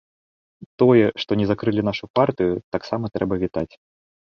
Тое, што не закрылі нашу партыю, таксама трэба вітаць.